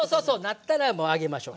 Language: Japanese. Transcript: なったらもう上げましょう。